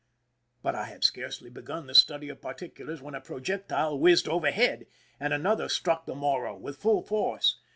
But I had scarcely begun the study of particulars when a projectile whizzed overhead, and another struck the Morro with full force.